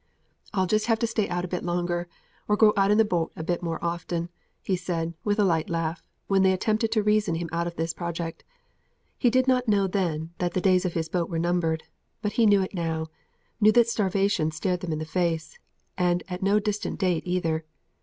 "I'll just have to stay out a bit longer, or go out in the boat a bit oftener," he said, with a light laugh, when they attempted to reason him out of his project. He did not know then that the days of his boat were numbered; but he knew it now knew that starvation stared them in the face, and at no distant date either.